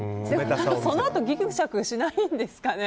そのあとぎくしゃくしないんですかね。